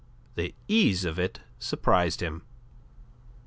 The ease of it surprised him.